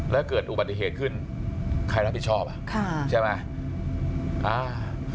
แล้วเกิดอุบัติเหตุขึ้นใครรับผิดชอบอ่ะค่ะใช่ไหมอ่า